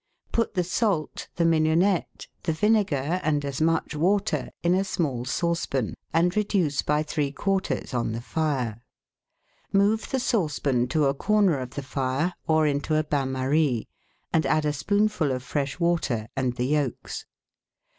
— Put the salt, the mignonette, the vinegar, and as much water in a small saucepan, and reduce by three quarters on the fire. Move the saucepan to a corner of the fire or into LEADING SAUCES 23 a bain marie, and add a spoonful of fresh water and the yolks.